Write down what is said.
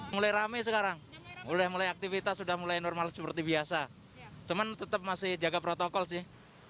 mulai rame sekarang mulai aktivitas sudah mulai normal seperti biasa cuman tetap masih jaga protokol sih